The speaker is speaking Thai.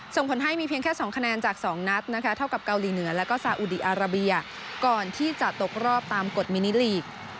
ส่งผลให้มีเพียงแค่๒คะแนนจาก๒นัดนะคะเท่ากับเกาหลีเหนือแล้วก็ซาอุดีอาราเบียก่อนที่จะตกรอบตามกฎมินิลีก